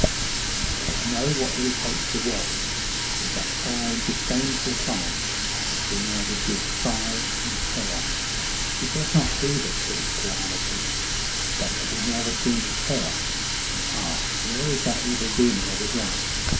'But I know what irritates the world is that proud, disdainful calm which will neither give sigh nor tear. It was not that he killed poor Hamilton, but that he never seemed to care! Ah, there is that evil demon of his life!